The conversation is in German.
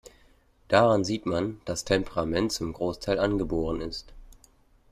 Daran sieht man, dass Temperament zum Großteil angeboren ist.